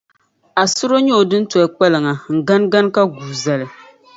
Asuro n-yɛ o dintoli kpalaŋa n-ganigani ka guui zali.